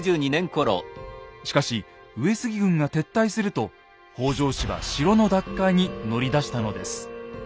しかし上杉軍が撤退すると北条氏は城の奪回に乗り出したのです。